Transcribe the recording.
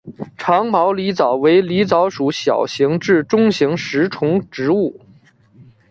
长毛狸藻为狸藻属小型至中型食虫植物。